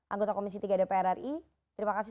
anggota komisi tiga dpr ri terima kasih